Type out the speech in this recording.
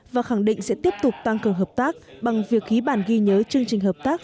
và khẳng định sẽ tiếp tục tăng cường hợp tác bằng việc ký bản ghi nhớ chương trình hợp tác